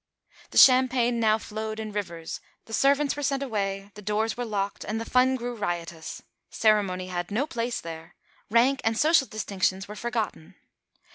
The champagne now flowed in rivers; the servants were sent away; the doors were locked and the fun grew riotous; ceremony had no place there; rank and social distinctions were forgotten.